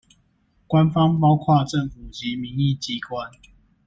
官方包括政府及民意機關